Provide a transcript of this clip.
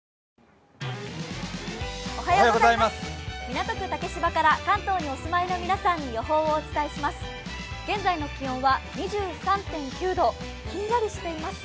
港区竹芝から関東にお住まいの皆さんに予報をお伝えします。